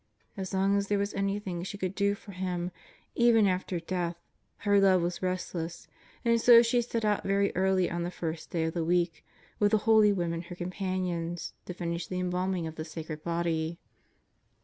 As long as there was anything she could do for Him, even after death, her love was rest less, and so she set out very early on the first day of the week, with the holy women her companions, to finish the embalming of the sacred Body.